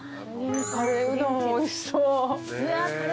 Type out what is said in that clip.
カレーうどんおいしそう。